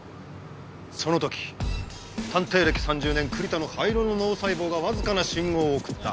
その時探偵歴３０年栗田の灰色の脳細胞がわずかな信号を送った。